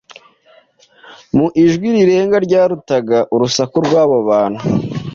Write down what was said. Mu ijwi rirenga ryarutaga urusaku rw’abo bantu,